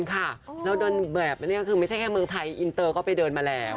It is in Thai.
ค่ะแล้วเดินแบบนี้คือไม่ใช่แค่เมืองไทยอินเตอร์ก็ไปเดินมาแล้ว